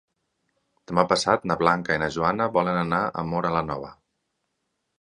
Demà passat na Blanca i na Joana volen anar a Móra la Nova.